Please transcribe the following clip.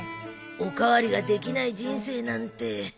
お代わりができない人生なんて。